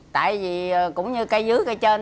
tại vì cũng như cây dưới cây trên